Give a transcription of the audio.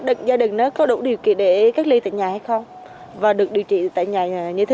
gia đình có đủ điều kiện để cách ly tại nhà hay không và được điều trị tại nhà như thế